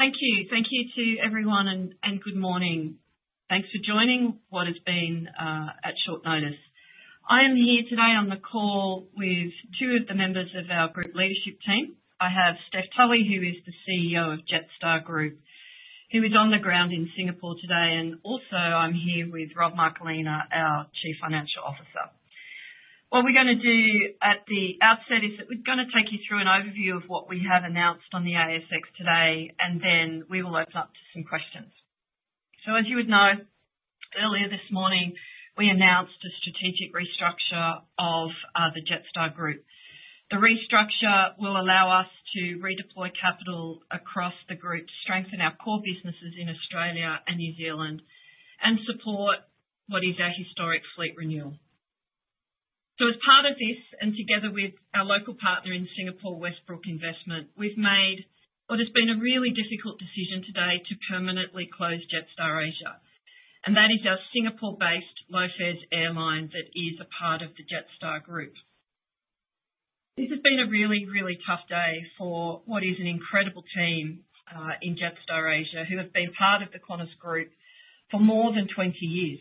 Thank you. Thank you to everyone, and good morning. Thanks for joining what has been at short notice. I am here today on the call with two of the members of our Group Leadership Team. I have Steph Tully, who is the CEO of Jetstar Group, who is on the ground in Singapore today. Also, I am here with Rob Marcolina, our Chief Financial Officer. What we are going to do at the outset is that we are going to take you through an overview of what we have announced on the ASX today, and then we will open up to some questions. As you would know, earlier this morning, we announced a strategic restructure of the Jetstar Group. The restructure will allow us to redeploy capital across the group, strengthen our core businesses in Australia and New Zealand, and support what is our historic fleet renewal. As part of this, and together with our local partner in Singapore, Westbrook Investments, we've made what has been a really difficult decision today to permanently close Jetstar Asia. That is our Singapore-based low-fares airline that is a part of the Jetstar Group. This has been a really, really tough day for what is an incredible team in Jetstar Asia, who have been part of the Qantas Group for more than 20 years.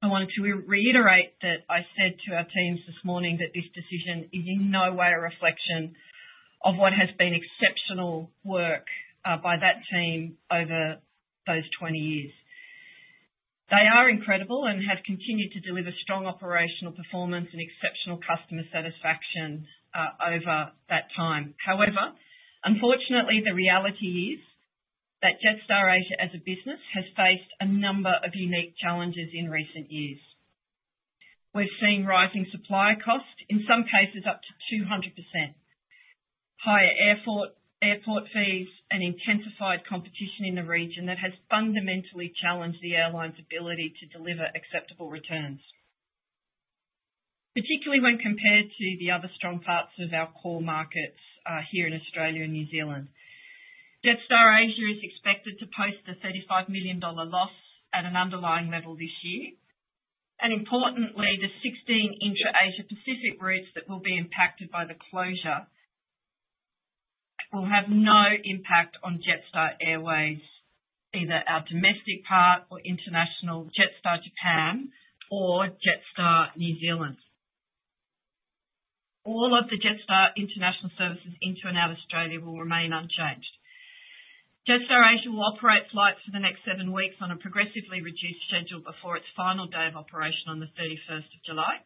I wanted to reiterate that I said to our teams this morning that this decision is in no way a reflection of what has been exceptional work by that team over those 20 years. They are incredible and have continued to deliver strong operational performance and exceptional customer satisfaction over that time. However, unfortunately, the reality is that Jetstar Asia as a business has faced a number of unique challenges in recent years. We've seen rising supply costs, in some cases up to 200%, higher airport fees, and intensified competition in the region that has fundamentally challenged the airline's ability to deliver acceptable returns, particularly when compared to the other strong parts of our core markets here in Australia and New Zealand. Jetstar Asia is expected to post a 35 million dollar loss at an underlying level this year. Importantly, the 16 intra-Asia Pacific routes that will be impacted by the closure will have no impact on Jetstar Airways, either our domestic part or international, Jetstar Japan, or Jetstar New Zealand. All of the Jetstar International Services into and out of Australia will remain unchanged. Jetstar Asia will operate flights for the next seven weeks on a progressively reduced schedule before its final day of operation on the 31st of July.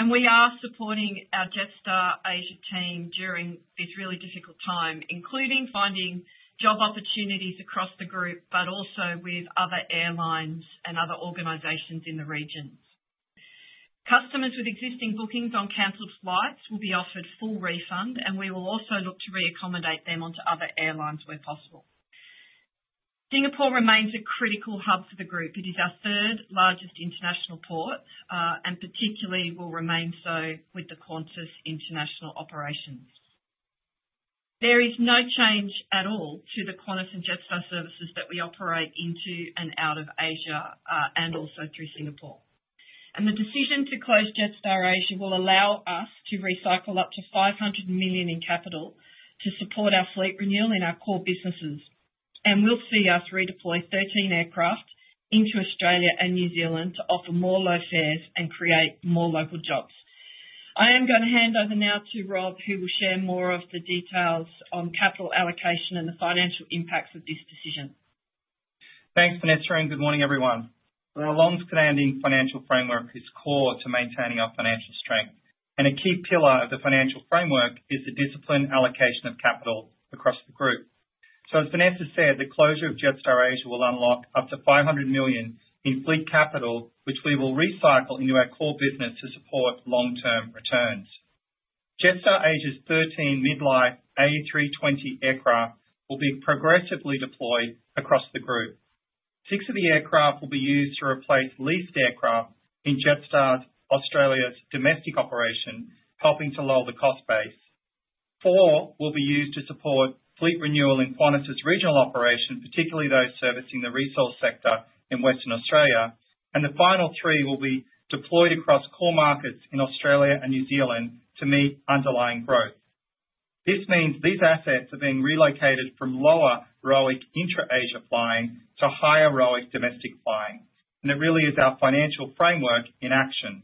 And we are supporting our Jetstar Asia team during this really difficult time, including finding job opportunities across the group, but also with other airlines and other organizations in the region. Customers with existing bookings on cancelled flights will be offered a full refund, and we will also look to reaccommodate them onto other airlines where possible. Singapore remains a critical hub for the group. It is our third largest international port, and particularly will remain so with the Qantas International operations. There is no change at all to the Qantas and Jetstar services that we operate into and out of Asia and also through Singapore. The decision to close Jetstar Asia will allow us to recycle up to 500 million in capital to support our fleet renewal in our core businesses. We will see us redeploy 13 aircraft into Australia and New Zealand to offer more low fares and create more local jobs. I am going to hand over now to Rob, who will share more of the details on capital allocation and the financial impacts of this decision. Thanks, Vanessa, and good morning, everyone. The long-standing financial framework is core to maintaining our financial strength. A key pillar of the financial framework is the disciplined allocation of capital across the group. So, Vanessa said, the closure of Jetstar Asia will unlock up to 500 million in fleet capital, which we will recycle into our core business to support long-term returns. Jetstar Asia's 13 mid-life Airbus A320 aircraft will be progressively deployed across the group. Six of the aircraft will be used to replace leased aircraft in Jetstar Australia's domestic operation, helping to lower the cost base. Four will be used to support fleet renewal in Qantas' regional operation, particularly those servicing the resource sector in Western Australia. The final three will be deployed across core markets in Australia and New Zealand to meet underlying growth. This means these assets are being relocated from lower row-weight intra-Asia flying to higher row-weight domestic flying. It really is our financial framework in action.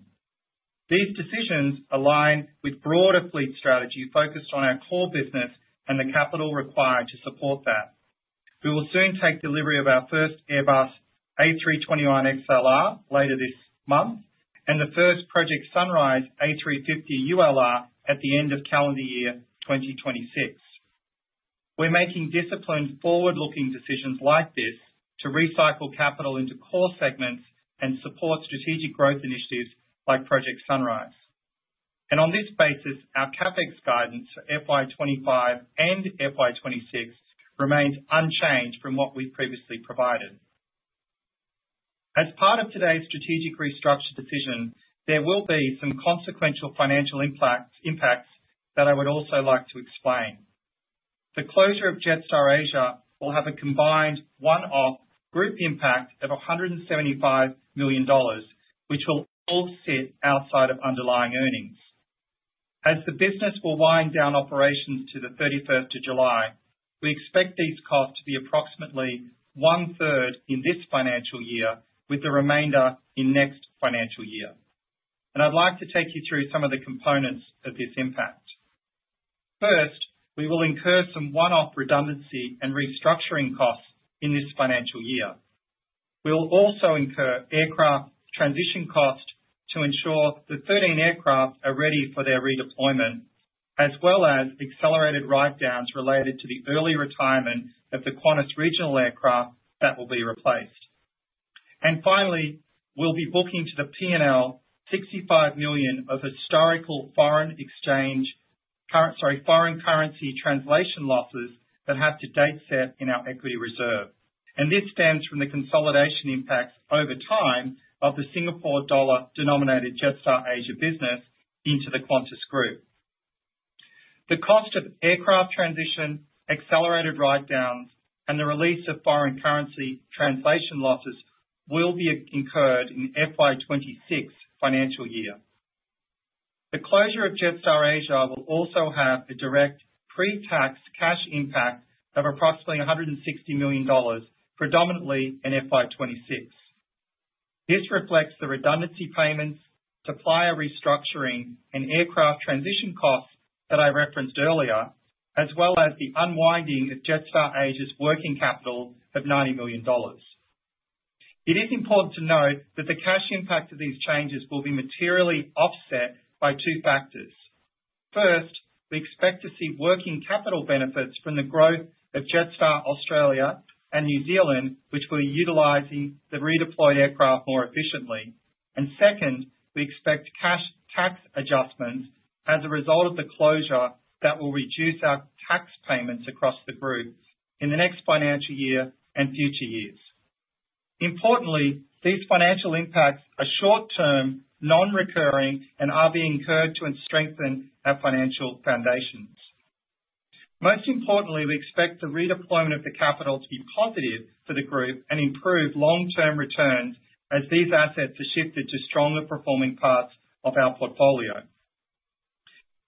These decisions align with broader fleet strategy focused on our core business and the capital required to support that. We will soon take delivery of our first Airbus A321XLR later this month and the first Project Sunrise A350ULR at the end of calendar year 2026. We are making disciplined forward-looking decisions like this to recycle capital into core segments and support strategic growth initiatives like Project Sunrise. On this basis, our CapEx guidance for FY25 and FY26 remains unchanged from what we have previously provided. As part of today's strategic restructure decision, there will be some consequential financial impacts that I would also like to explain. The closure of Jetstar Asia will have a combined one-off group impact of 175 million dollars, which will all sit outside of underlying earnings. As the business will wind down operations to the 31st of July, we expect these costs to be approximately one-third in this financial year, with the remainder in next financial year. I would like to take you through some of the components of this impact. First, we will incur some one-off redundancy and restructuring costs in this financial year. We will also incur aircraft transition costs to ensure the 13 aircraft are ready for their redeployment, as well as accelerated write-downs related to the early retirement of the Qantas regional aircraft that will be replaced. Finally, we will be booking to the P&L 65 million of historical foreign currency translation losses that have to date sat in our equity reserve. This stems from the consolidation impacts over time of the Singapore dollar-denominated Jetstar Asia business into the Qantas Group. The cost of aircraft transition, accelerated write-downs, and the release of foreign currency translation losses will be incurred in the FY26 financial year. The closure of Jetstar Asia will also have a direct pre-tax cash impact of approximately 160 million dollars, predominantly in FY26. This reflects the redundancy payments, supplier restructuring, and aircraft transition costs that I referenced earlier, as well as the unwinding of Jetstar Asia's working capital of 90 million dollars. It is important to note that the cash impact of these changes will be materially offset by two factors. First, we expect to see working capital benefits from the growth of Jetstar Australia and New Zealand, which will be utilizing the redeployed aircraft more efficiently. We expect cash tax adjustments as a result of the closure that will reduce our tax payments across the group in the next financial year and future years. Importantly, these financial impacts are short-term, non-recurring, and are being incurred to strengthen our financial foundations. Most importantly, we expect the redeployment of the capital to be positive for the group and improve long-term returns as these assets are shifted to stronger performing parts of our portfolio.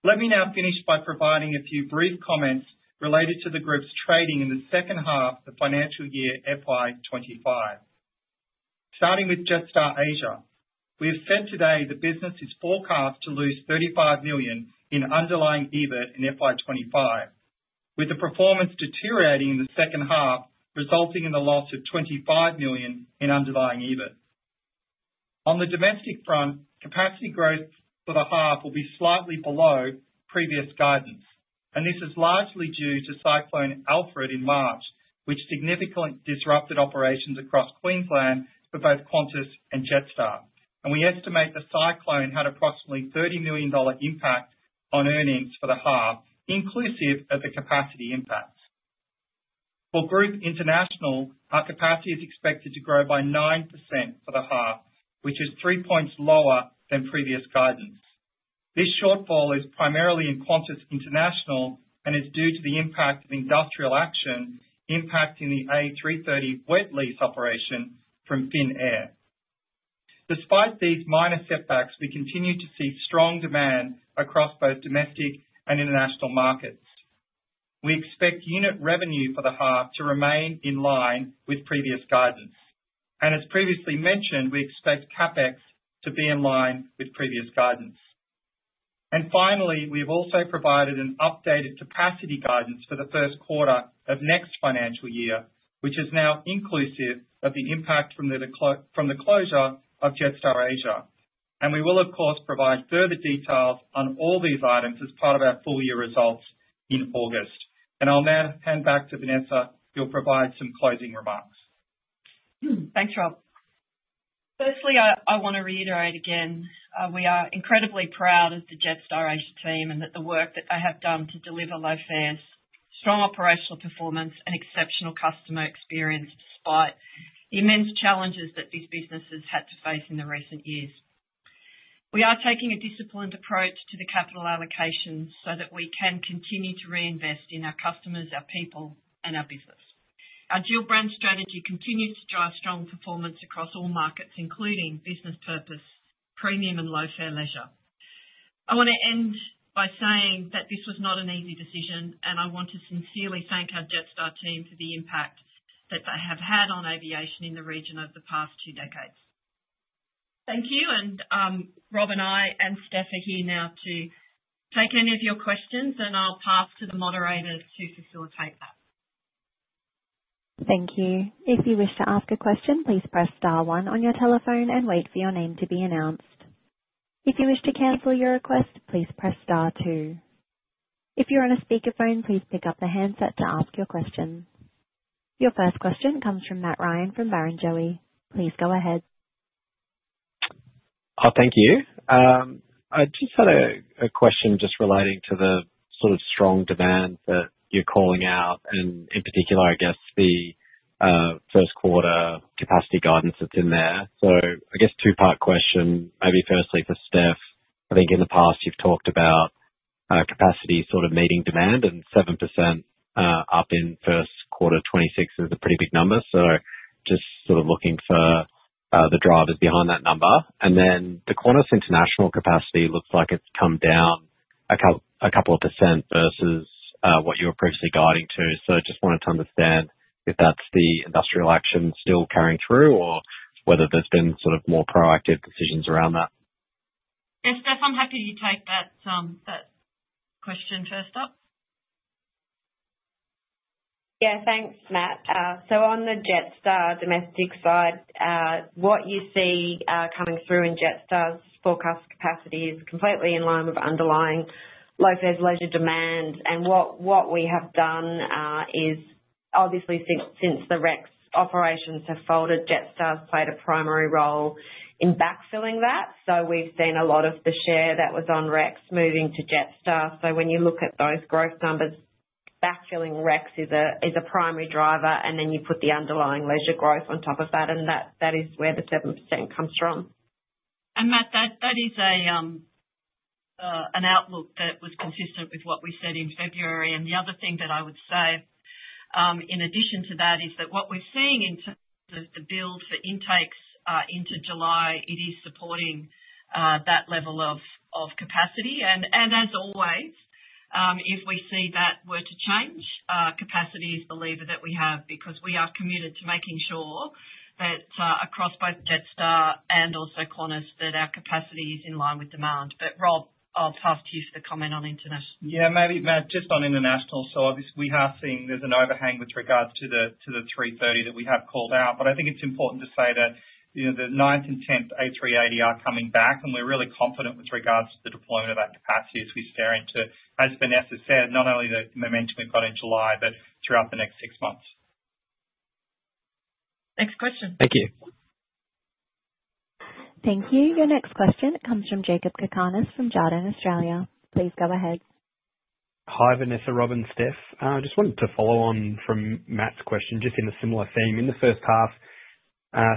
Let me now finish by providing a few brief comments related to the group's trading in the second half of the financial year FY25. Starting with Jetstar Asia, we have said today the business is forecast to lose 35 million in underlying EBIT in 2025, with the performance deteriorating in the second half, resulting in the loss of 25 million in underlying EBIT. On the domestic front, capacity growth for the half will be slightly below previous guidance. This is largely due to Cyclone Alfred in March, which significantly disrupted operations across Queensland for both Qantas and Jetstar. We estimate the cyclone had approximately $30 million impact on earnings for the half, inclusive of the capacity impacts. For Group International, our capacity is expected to grow by 9% for the half, which is three percentage points lower than previous guidance. This shortfall is primarily in Qantas International and is due to the impact of industrial action impacting the A330 wet lease operation from Finnair. Despite these minor setbacks, we continue to see strong demand across both domestic and international markets. We expect unit revenue for the half to remain in line with previous guidance. As previously mentioned, we expect CapEx to be in line with previous guidance. And finally, we have also provided an updated capacity guidance for the first quarter of next financial year, which is now inclusive of the impact from the closure of Jetstar Asia. We will, of course, provide further details on all these items as part of our full year results in August. I will now hand back to Vanessa, who will provide some closing remarks. Thanks, Rob. Firstly, I want to reiterate again we are incredibly proud of the Jetstar Asia team and the work that they have done to deliver low fares, strong operational performance, and exceptional customer experience despite the immense challenges that these businesses had to face in the recent years. We are taking a disciplined approach to the capital allocation so that we can continue to reinvest in our customers, our people, and our business. Our dual-brand strategy continues to drive strong performance across all markets, including business purpose, premium, and low fare leisure. I want to end by saying that this was not an easy decision, and I want to sincerely thank our Jetstar team for the impact that they have had on aviation in the region over the past two decades. Thank you. Rob and I and Steph are here now to take any of your questions, and I'll pass to the moderators to facilitate that. Thank you. If you wish to ask a question, please press star one on your telephone and wait for your name to be announced. If you wish to cancel your request, please press star two. If you're on a speakerphone, please pick up the handset to ask your question. Your first question comes from Matt Ryan from Barrenjoey. Please go ahead. Thank you. I just had a question just relating to the sort of strong demand that you're calling out, and in particular, I guess, the first quarter capacity guidance that's in there. I guess two-part question. Maybe firstly for Steph, I think in the past you've talked about capacity sort of meeting demand and 7% up in first quarter 2026 is a pretty big number. Just sort of looking for the drivers behind that number. The Qantas International capacity looks like it's come down a couple of percent versus what you were previously guiding to. I just wanted to understand if that's the industrial action still carrying through or whether there's been sort of more proactive decisions around that. Yes, Steph, I'm happy to take that question first up. Yeah, thanks, Matt. On the Jetstar domestic side, what you see coming through in Jetstar's forecast capacity is completely in line with underlying low-fare leisure demand. What we have done is obviously since the REX operations have folded, Jetstar's played a primary role in backfilling that. We have seen a lot of the share that was on REX moving to Jetstar. When you look at those growth numbers, backfilling REX is a primary driver, and then you put the underlying leisure growth on top of that, and that is where the 7% comes from. That is an outlook that was consistent with what we said in February. The other thing that I would say in addition to that is that what we are seeing in terms of the build for intakes into July, it is supporting that level of capacity. As always, if we see that were to change, capacity is the lever that we have because we are committed to making sure that across both Jetstar and also Qantas that our capacity is in line with demand. Rob, I will pass to you for the comment on international. Yeah, maybe Matt, just on international. Obviously we are seeing there's an overhang with regards to the 330 that we have called out. I think it's important to say that the 9th and 10th A380 are coming back, and we're really confident with regards to the deployment of that capacity as we stare into, as Vanessa said, not only the momentum we've got in July, but throughout the next six months. Next question. Thank you. Thank you. Your next question comes from Jacob Kakanis from Jarden Australia. Please go ahead. Hi, Vanessa, Rob, and Steph. I just wanted to follow on from Matt's question just in a similar theme. In the first half,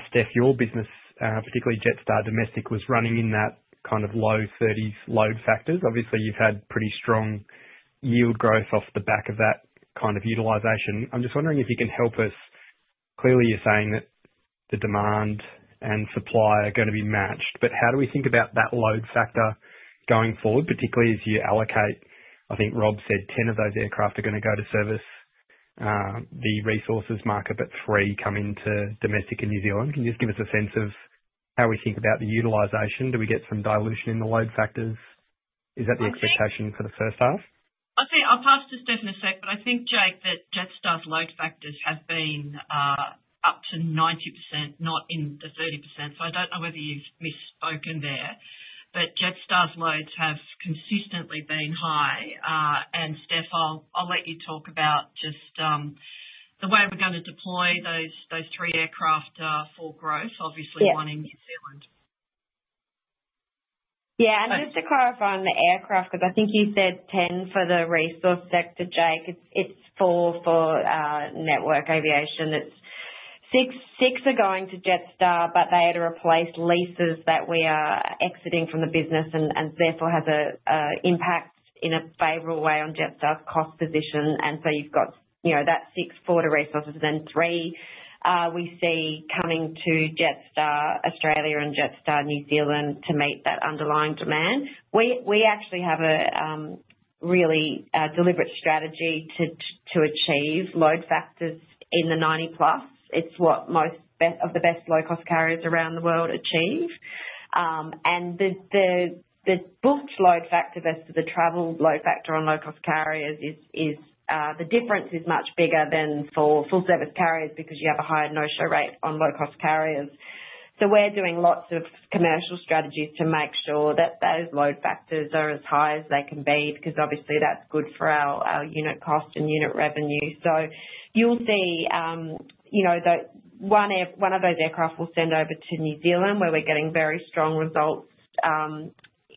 Steph, your business, particularly Jetstar domestic, was running in that kind of low 30% load factors. Obviously, you've had pretty strong yield growth off the back of that kind of utilisation. I'm just wondering if you can help us. Clearly, you're saying that the demand and supply are going to be matched. How do we think about that load factor going forward, particularly as you allocate? I think Rob said 10 of those aircraft are going to go to service the resources market, but three come into domestic and New Zealand. Can you just give us a sense of how we think about the utilisation? Do we get some dilution in the load factors? Is that the expectation for the first half? I'll pass to Steph in a sec, but I think, Jake, that Jetstar's load factors have been up to 90%, not in the 30%. I do not know whether you've misspoken there, but Jetstar's loads have consistently been high. Steph, I'll let you talk about just the way we're going to deploy those three aircraft for growth, obviously one in New Zealand. Yeah. Just to clarify on the aircraft, because I think you said 10 for the resource sector, Jake, it is four for Network Aviation. Six are going to Jetstar, but they had to replace leases that we are exiting from the business, and therefore has an impact in a favorable way on Jetstar's cost position. You have that six for the resources, then three we see coming to Jetstar Australia and Jetstar New Zealand to meet that underlying demand. We actually have a really deliberate strategy to achieve load factors in the 90% plus. It is what most of the best low-cost carriers around the world achieve. This bulk load factor versus the travel load factor on low-cost carriers, the difference is much bigger than for full-service carriers because you have a higher no-show rate on low-cost carriers. We're doing lots of commercial strategies to make sure that those load factors are as high as they can be because obviously that's good for our unit cost and unit revenue. You'll see one of those aircraft will send over to New Zealand where we're getting very strong results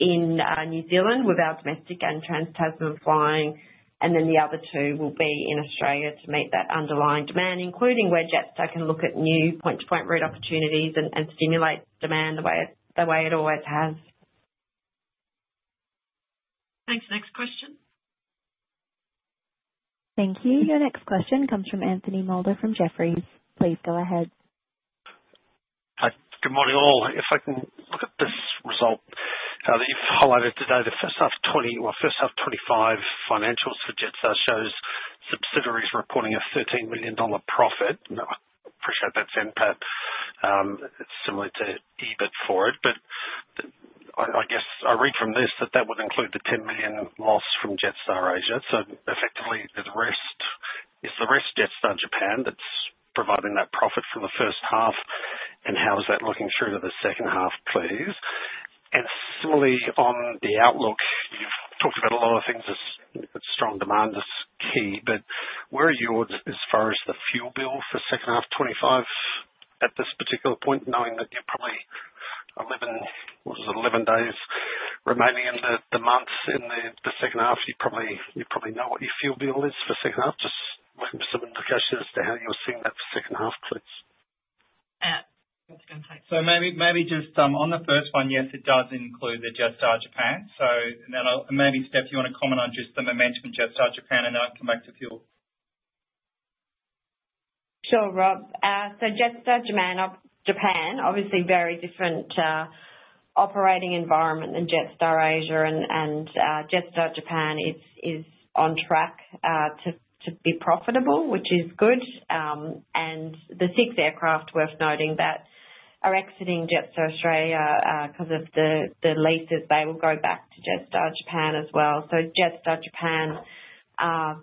in New Zealand with our domestic and trans-Tasman flying. The other two will be in Australia to meet that underlying demand, including where Jetstar can look at new point-to-point route opportunities and stimulate demand the way it always has. Thanks. Next question. Thank you. Your next question comes from Anthony Moulder from Jefferies. Please go ahead. Good morning all. If I can look at this result that you've highlighted today, the first half 2025 financials for Jetstar shows subsidiaries reporting a $13 million profit. I appreciate that's NPAT, similar to EBIT for it. I guess I read from this that that would include the $10 million loss from Jetstar Asia. Effectively, is the rest Jetstar Japan that's providing that profit from the first half? How is that looking through to the second half, please? Similarly, on the outlook, you've talked about a lot of things. Strong demand is key. Where are you as far as the fuel bill for second half 25 at this particular point, knowing that you're probably 11, what is it, 11 days remaining in the months in the second half? You probably know what your fuel bill is for second half. Just some indications as to how you're seeing that for second half, please. Maybe just on the first one, yes, it does include the Jetstar Japan. And then maybe, Steph, you want to comment on just the momentum in Jetstar Japan, and I'll come back to fuel. Sure, Rob. Jetstar Japan, obviously very different operating environment than Jetstar Asia. Jetstar Japan is on track to be profitable, which is good. The six aircraft, worth noting, that are exiting Jetstar Australia because of the leases, they will go back to Jetstar Japan as well. Jetstar Japan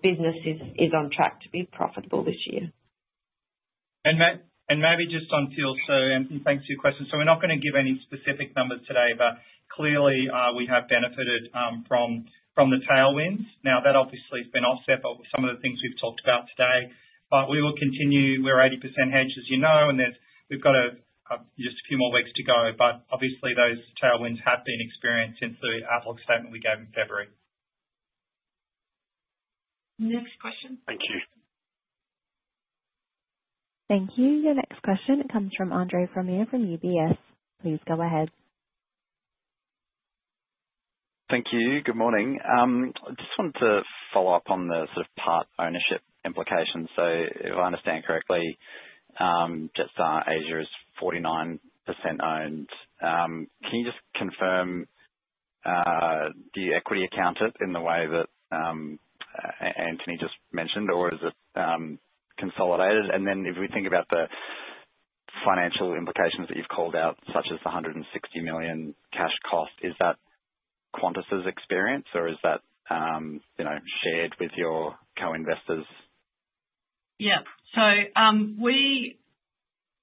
business is on track to be profitable this year. And maybe just on fuel so Anthony, thanks for your question. We are not going to give any specific numbers today, but clearly we have benefited from the tailwinds. That obviously has been offset by some of the things we have talked about today. We will continue. We are 80% hedged, as you know, and we have just a few more weeks to go. Obviously, those tailwinds have been experienced since the outlook statement we gave in February. Next question. Thank you. Thank you. Your next question, it comes from Andre Fromyhr from UBS. Please go ahead. Thank you. Good morning. I just wanted to follow up on the sort of part ownership implications. So if I understand correctly, Jetstar Asia is 49% owned. Can you just confirm, do you equity account it in the way that Anthony just mentioned, or is it consolidated? And then if we think about the financial implications that you've called out, such as the 160 million cash cost, is that Qantas's experience, or is that shared with your co-investors? Yeah. We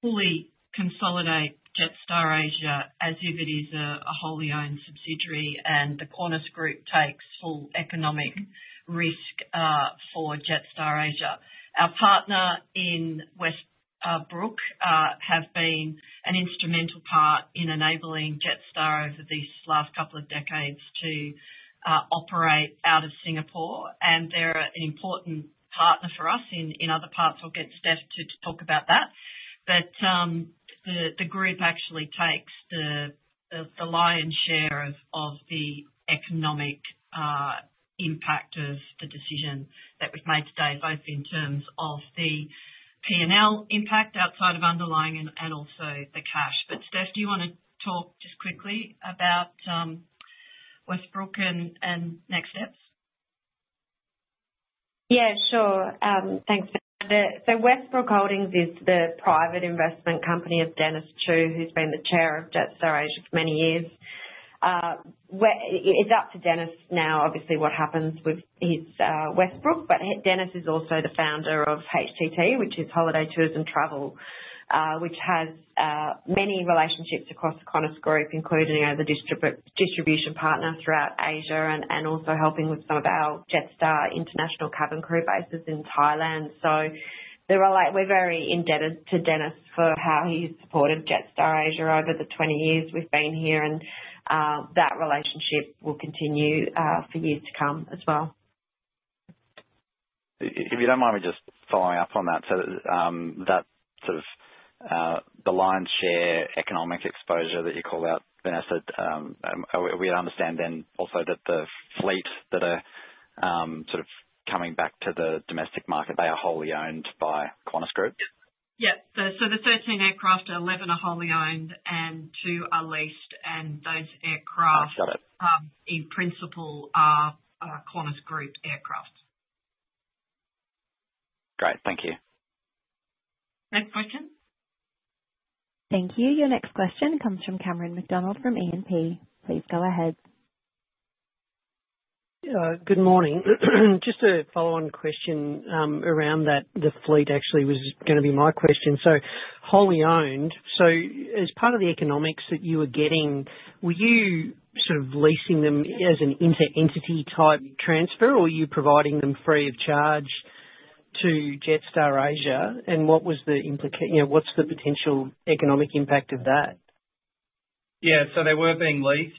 fully consolidate Jetstar Asia as if it is a wholly owned subsidiary, and the Qantas Group takes full economic risk for Jetstar Asia. Our partner in Westbrook has been an instrumental part in enabling Jetstar over these last couple of decades to operate out of Singapore. They are an important partner for us in other parts. I'll get Steph to talk about that. The group actually takes the lion's share of the economic impact of the decision that we have made today, both in terms of the P&L impact outside of underlying and also the cash. Steph, do you want to talk just quickly about Westbrook and next steps? Yeah, sure. Thanks, Matt. Westbrook Investments is the private investment company of Dennis Chiu, who's been the chair of Jetstar Asia for many years. It's up to Dennis now, obviously, what happens with his Westbrook. Dennis is also the founder of HTT, which is Holiday Tours and Travel, which has many relationships across the Qantas Group, including as a distribution partner throughout Asia and also helping with some of our Jetstar international cabin crew bases in Thailand. We're very indebted to Dennis for how he's supported Jetstar Asia over the 20 years we've been here. That relationship will continue for years to come as well. If you don't mind me just following up on that, so that sort of the lion's share economic exposure that you called out, Vanessa, we understand then also that the fleet that are sort of coming back to the domestic market, they are wholly owned by Qantas Group? Yes. The 13 aircraft, 11 are wholly owned, and 2 are leased. Those aircraft, in principle, are Qantas Group aircraft. Great. Thank you. Next question. Thank you. Your next question comes from Cameron McDonald from E&P. Please go ahead. Yeah, good morning. Just a follow-on question around that. The fleet actually was going to be my question. So wholly owned. As part of the economics that you were getting, were you sort of leasing them as an inter-entity type transfer, or were you providing them free of charge to Jetstar Asia? What was the potential economic impact of that? Yeah. They were being leased.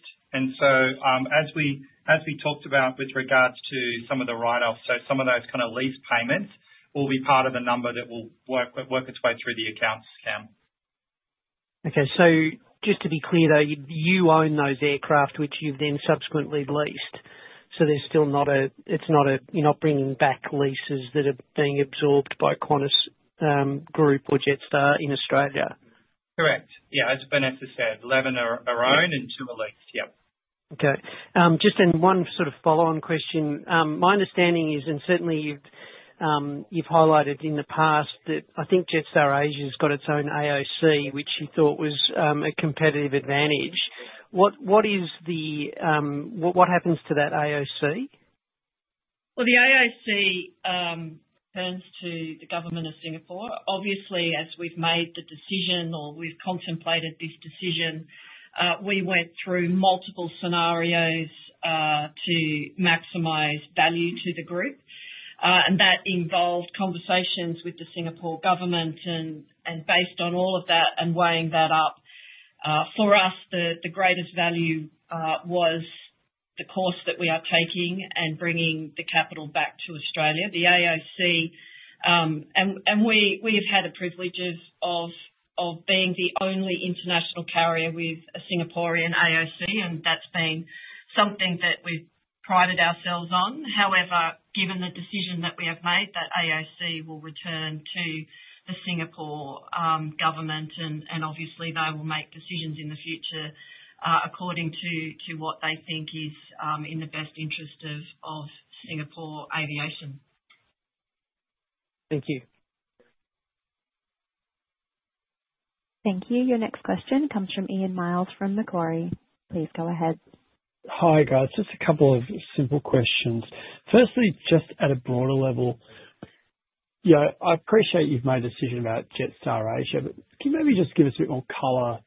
As we talked about with regards to some of the write-offs, some of those kind of lease payments will be part of the number that will work its way through the accounts, Cam. Okay. So just to be clear, though, you own those aircraft, which you've then subsequently leased. So it's not a bringing back leases that are being absorbed by Qantas Group or Jetstar in Australia? Correct. Yeah. As Vanessa said, eleven are owned and two are leased. Yep. Okay. Just one sort of follow-on question. My understanding is, and certainly you've highlighted in the past that I think Jetstar Asia has got its own AOC, which you thought was a competitive advantage. What happens to that AOC? The AOC turns to the government of Singapore. Obviously, as we've made the decision or we've contemplated this decision, we went through multiple scenarios to maximize value to the group. That involved conversations with the Singapore government. Based on all of that and weighing that up, for us, the greatest value was the course that we are taking and bringing the capital back to Australia, the AOC. We have had a privilege of being the only international carrier with a Singaporean AOC, and that's been something that we've prided ourselves on. However, given the decision that we have made, that AOC will return to the Singapore government. Obviously, they will make decisions in the future according to what they think is in the best interest of Singapore Aviation. Thank you. Thank you. Your next question comes from Ian Miles from McLory. Please go ahead. Hi, guys. Just a couple of simple questions. Firstly, just at a broader level, I appreciate you've made a decision about Jetstar Asia, but can you maybe just give us a bit more colour?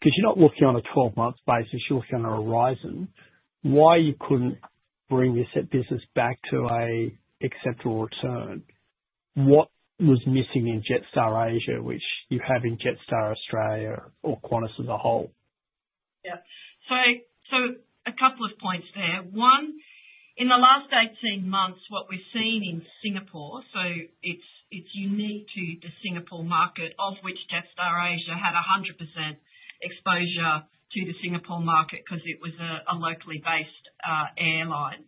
Because you're not looking on a 12-month basis. You're looking on a horizon. Why you couldn't bring this business back to an acceptable return. What was missing in Jetstar Asia, which you have in Jetstar Australia or Qantas as a whole? Yeah. A couple of points there. One, in the last 18 months, what we've seen in Singapore, so it's unique to the Singapore market, of which Jetstar Asia had 100% exposure to the Singapore market because it was a locally based airline,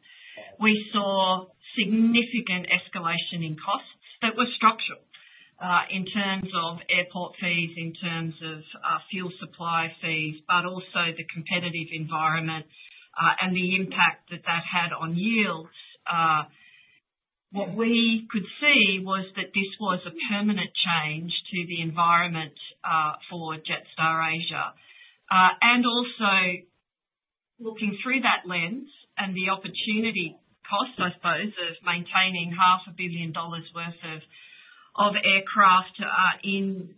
we saw significant escalation in costs that were structural in terms of airport fees, in terms of fuel supply fees, but also the competitive environment and the impact that that had on yields. What we could see was that this was a permanent change to the environment for Jetstar Asia. Also, looking through that lens and the opportunity cost, I suppose, of maintaining $0.5 billion worth of aircraft in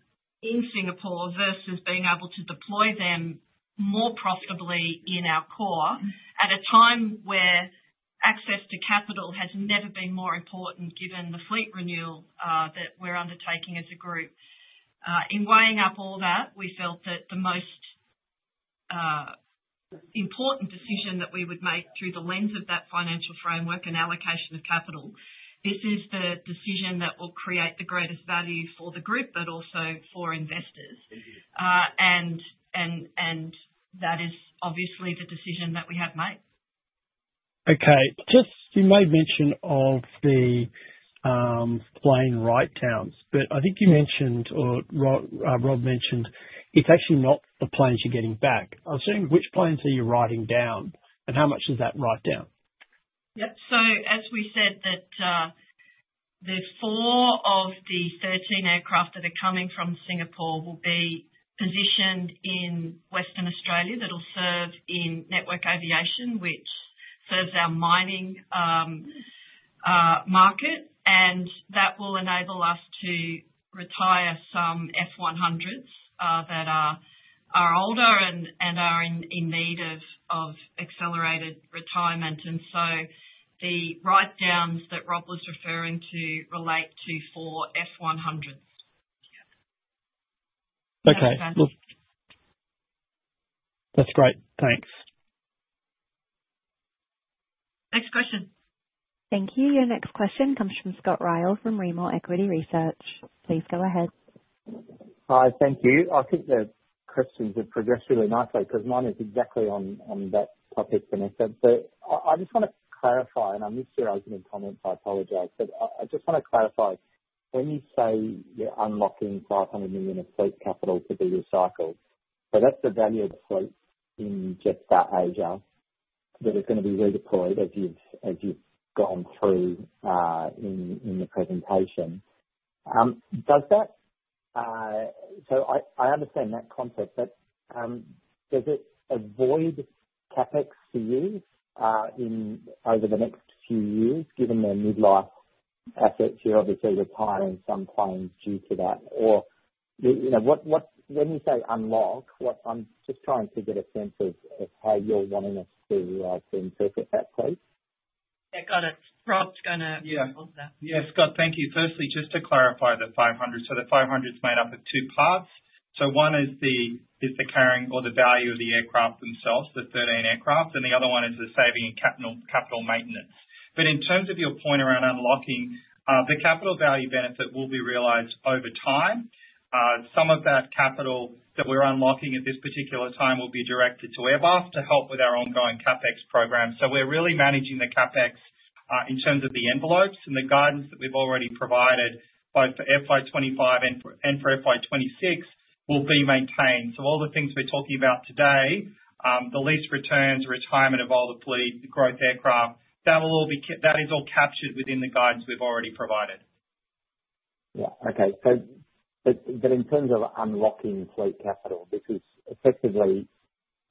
Singapore versus being able to deploy them more profitably in our core at a time where access to capital has never been more important given the fleet renewal that we're undertaking as a group. In weighing up all that, we felt that the most important decision that we would make through the lens of that financial framework and allocation of capital, this is the decision that will create the greatest value for the group, but also for investors. That is obviously the decision that we have made. Okay. Just you made mention of the plane write-downs, but I think you mentioned, or Rob mentioned, it's actually not the planes you're getting back. I'm assuming which planes are you writing down, and how much is that write-down? Yep. As we said, four of the 13 aircraft that are coming from Singapore will be positioned in Western Australia that will serve in Network Aviation, which serves our mining market. That will enable us to retire some F-100s that are older and are in need of accelerated retirement. The write-downs that Rob was referring to relate to four F-100. Okay. That's great. Thanks. Next question. Thank you. Your next question comes from Scott Ryle from Rimor Equity Research. Please go ahead. Hi. Thank you. I think the questions have progressed really nicely because mine is exactly on that topic, Vanessa. I just want to clarify, and I missed your opening comment, so I apologize. I just want to clarify, when you say you're unlocking $500 million of fleet capital to be recycled, that's the value of fleet in Jetstar Asia that is going to be redeployed as you've gone through in the presentation. I understand that concept, but does it avoid CapEx for you over the next few years, given the midlife efforts? You're obviously retiring some planes due to that. When you say unlock, I'm just trying to get a sense of how you're wanting us to interpret that, please. Yeah. Got it. Rob's going to answer that. Yeah. Scott, thank you. Firstly, just to clarify the 500. The 500 is made up of two parts. One is the carrying or the value of the aircraft themselves, the 13 aircraft, and the other one is the saving in capital maintenance. In terms of your point around unlocking, the capital value benefit will be realized over time. Some of that capital that we are unlocking at this particular time will be directed to Airbus to help with our ongoing CapEx program. We are really managing the CapEx in terms of the envelopes. The guidance that we have already provided, both for FY25 and for FY26, will be maintained. All the things we are talking about today, the lease returns, retirement of all the fleet, growth aircraft, that is all captured within the guidance we have already provided. Yeah. Okay. In terms of unlocking fleet capital, this is effectively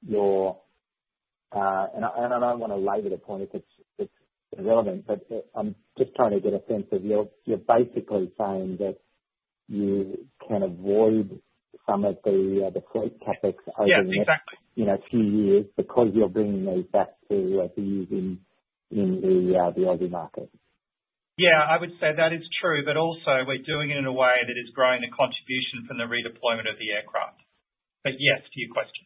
your—and I do not want to labor the point if it is irrelevant, but I am just trying to get a sense of you are basically saying that you can avoid some of the fleet CapEx over the next few years because you are bringing these back to use in the Aussie market. Yeah. I would say that is true. Also, we're doing it in a way that is growing the contribution from the redeployment of the aircraft. Yes, to your question.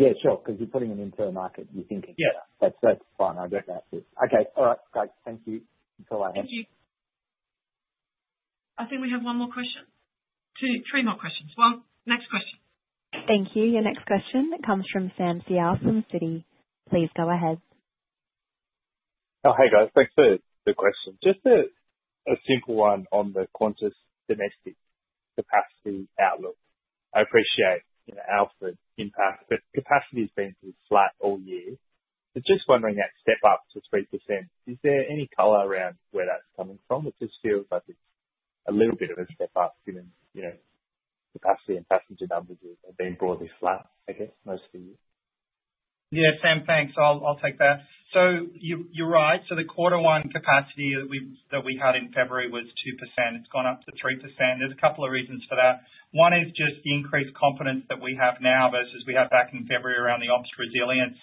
Yeah. Sure. Because you're putting them into a market, you're thinking. That's fine. I get that. Okay. All right. Thanks. Thank you. That's all I have. Thank you. I think we have one more question. Three more questions. Next question. Thank you. Your next question comes from Sam C. Alston, Citi. Please go ahead. Oh, hey, guys. Thanks for the question. Just a simple one on the Qantas Domestic capacity outlook. I appreciate our impact, but capacity has been pretty flat all year. Just wondering that step up to 3%, is there any color around where that's coming from? It just feels like it's a little bit of a step up given capacity and passenger numbers have been broadly flat, I guess, most of the year. Yeah. Sam, thanks. I'll take that. You're right. The quarter one capacity that we had in February was 2%. It's gone up to 3%. There are a couple of reasons for that. One is just the increased confidence that we have now versus what we had back in February around the ops resilience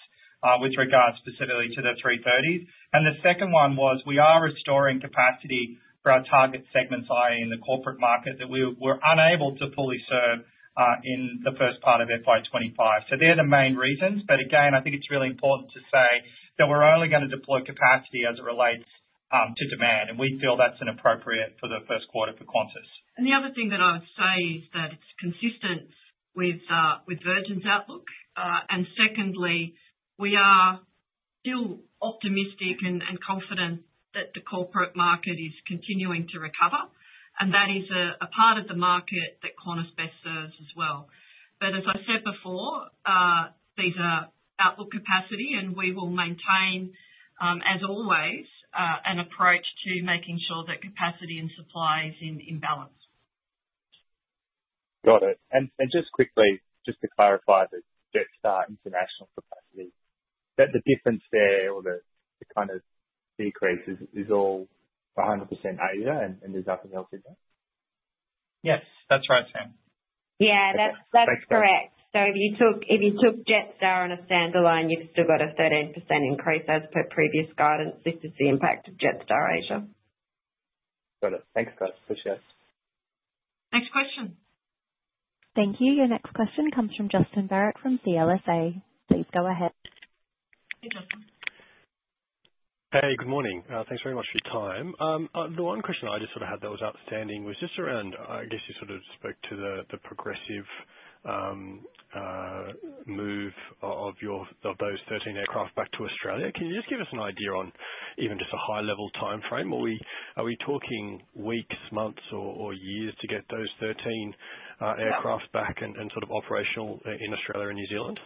with regards specifically to the 330s. The second one is we are restoring capacity for our target segments, i.e., in the corporate market, that we were unable to fully serve in the first part of FY25. They're the main reasons. I think it's really important to say that we're only going to deploy capacity as it relates to demand. We feel that's appropriate for the first quarter for Qantas. Another thing that i say is consistent with Virgin's outlook. Secondly, we are still optimistic and confident that the corporate market is continuing to recover. That is a part of the market that Qantas best serves as well. As I said before, these are outlook capacity, and we will maintain, as always, an approach to making sure that capacity and supply is in balance. Got it. And just quickly, just to clarify the Jetstar international capacity, the difference there or the kind of decrease is all 100% Asia and there's nothing else in there? Yes. That's right, Sam. Yeah. That's correct. If you took Jetstar on a standalone, you've still got a 13% increase as per previous guidance. This is the impact of Jetstar Asia. Got it. Thanks, guys. Appreciate it. Next question. Thank you. Your next question comes from Justin Barrett from CLSA. Please go ahead. Hey. Good morning. Thanks very much for your time. The one question I just sort of had that was outstanding was just around, I guess you sort of spoke to the progressive move of those 13 aircraft back to Australia. Can you just give us an idea on even just a high-level timeframe? Are we talking weeks, months, or years to get those 13 aircraft back and sort of operational in Australia and New Zealand?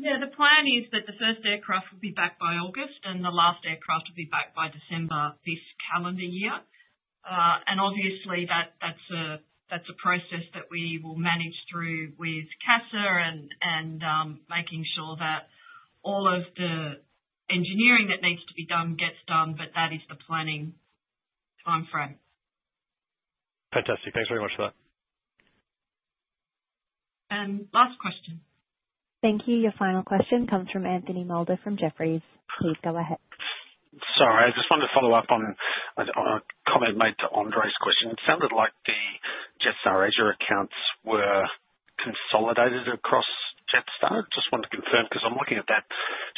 Yeah. The plan is that the first aircraft will be back by August, and the last aircraft will be back by December this calendar year. Obviously, that's a process that we will manage through with CASA and making sure that all of the engineering that needs to be done gets done, but that is the planning timeframe. Fantastic. Thanks very much for that. Last question. Thank you. Your final question comes from Anthony Moulder from Jefferies. Please go ahead. Sorry. I just wanted to follow up on a comment made to Andre's question. It sounded like the Jetstar Asia accounts were consolidated across Jetstar. Just wanted to confirm because I'm looking at that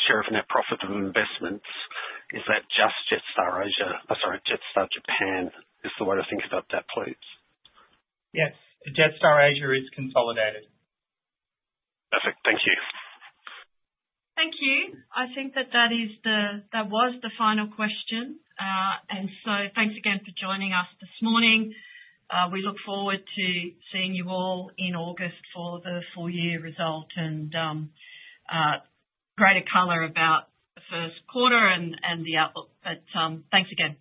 share of net profit and investments. Is that just Jetstar Asia? I'm sorry, Jetstar Japan is the way to think about that, please. Yes. Jetstar Asia is consolidated. Perfect. Thank you. Thank you. I think that was the final question. Thank you again for joining us this morning. We look forward to seeing you all in August for the full-year result and greater color about the first quarter and the outlook. Thank you again.